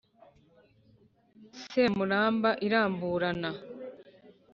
semuramba iramburana,